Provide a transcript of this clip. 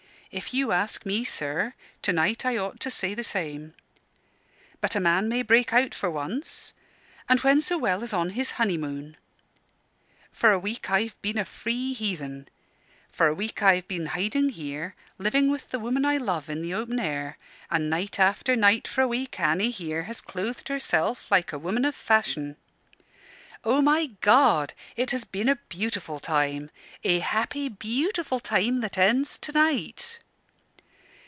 If you ask me, sir, to night, I ought to say the same. But a man may break out for once; and when so well as on his honeymoon? For a week I've been a free heathen: for a week I've been hiding here, living with the woman I love in the open air; and night after night for a week Annie here has clothed herself like a woman of fashion. Oh, my God! it has been a beautiful time a happy beautiful time that ends to night!"